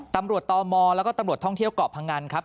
ตำรวจตมและก็ตำรวจท่องเที่ยวกพงครับ